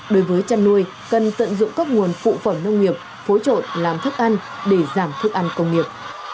đối với chăn nuôi cần tận dụng các nguồn phụ phẩm nông nghiệp phối trộn làm thức ăn để giảm thức ăn công nghiệp